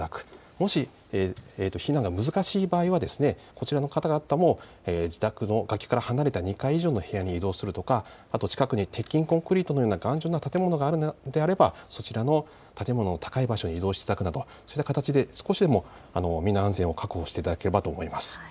もし避難が難しい場合はこちらの方々も自宅の崖から離れた２階以上の部屋に移動するとか、近くに鉄筋コンクリートなど頑丈な建物があるのであればそちらの建物の高い場所に移動していただくなど、少しでも身の安全を確保していただければと思います。